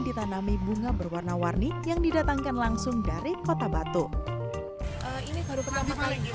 ditanami bunga berwarna warni yang didatangkan langsung dari kota batu ini baru pertama kali